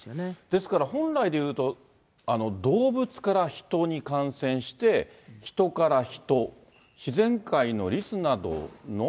ですから本来でいうと、動物から人に感染して、ヒトからヒト、自然界のリスなどの。